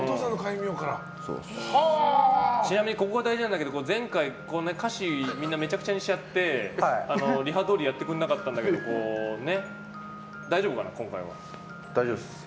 ちなみにここが大事なんですけど前回歌詞みんなめちゃくちゃにしちゃってリハどおりやってくれなかったんだけど大丈夫です。